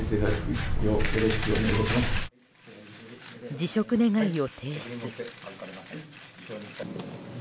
辞職願を提出。